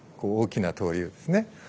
大きな通りですね。